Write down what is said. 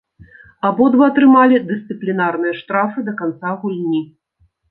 Абодва атрымалі дысцыплінарныя штрафы да канца гульні.